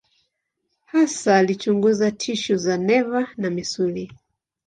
Hasa alichunguza tishu za neva na misuli.